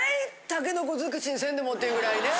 たけのこづくしにせんでもっていうぐらいね。